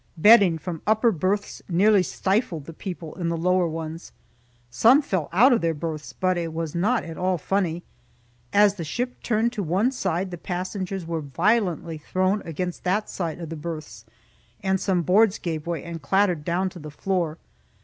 Bedding from upper berths nearly stifled the people in the lower ones. Some fell out of their berths, but it was not at all funny. As the ship turned to one side, the passengers were violently thrown against that side of the berths, and some boards gave way and clattered down to the floor.